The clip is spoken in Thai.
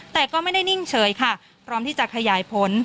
แต่ก็ไม่ได้นิ่งเฉยค่ะพร้อมที่จะขยายผล